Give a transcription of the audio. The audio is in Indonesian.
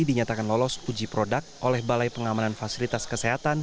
dinyatakan lolos uji produk oleh balai pengamanan fasilitas kesehatan